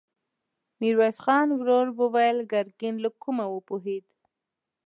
ميرويس خان ورو وويل: ګرګين له کومه وپوهېد؟